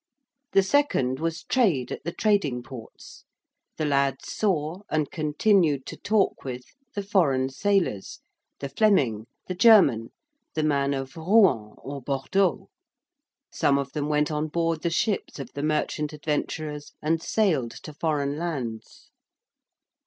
The second was Trade at the trading ports: the lads saw, and continued to talk with, the foreign sailors the Fleming, the German, the man of Rouen or Bordeaux: some of them went on board the ships of the merchant adventurers and sailed to foreign lands.